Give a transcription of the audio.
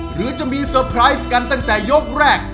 หรือจะมีเซอร์ไพรส์กันตั้งแต่ยกแรก